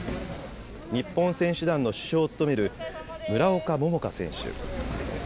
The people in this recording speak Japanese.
日本選手団の主将を務める村岡桃佳選手。